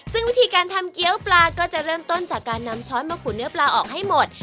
ซึ่งวิธีการทำเกี้ยวปลาก็จะเริ่มต้นจากการนำช้อนมาขูดเนื้อปลาออกให้หมด